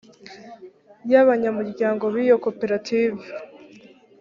y abanyamuryango b iyo koperative